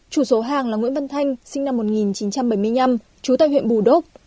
chủ số hàng là nguyễn văn thanh sinh năm một nghìn chín trăm bảy mươi năm trú tại huyện bù đốc